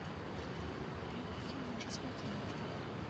Бегаў я, можа, з гадзіну.